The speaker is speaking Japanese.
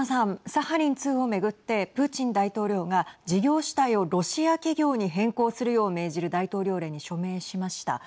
サハリン２を巡ってプーチン大統領が事業主体をロシア企業に変更するよう命じる大統領令に署名しました。